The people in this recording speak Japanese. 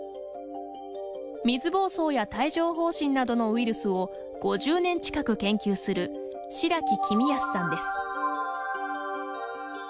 水ぼうそうや帯状ほう疹などのウイルスを５０年近く研究する白木公康さんです。